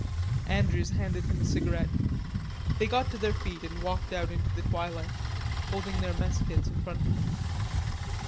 Andrews handed him a cigarette. They got to their feet and walked out into the twilight, holding their mess kits in front of them.